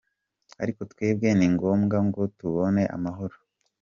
Ariko twebwe ni ngombwa ngo tubone amahoro.